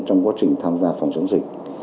trong quá trình tham gia phòng chống dịch